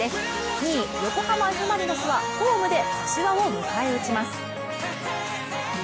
２位、横浜Ｆ・マリノスはホームで柏を迎え撃ちます。